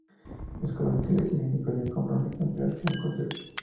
Descubren que lo tienen, y Julián compra un ejemplar que aún conserva.